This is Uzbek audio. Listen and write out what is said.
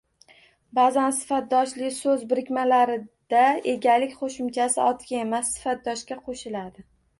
Baʼzan sifatdoshli soʻz birikmalarida egalik qoʻshimchasi otga emas, sifatdoshga qoʻshiladi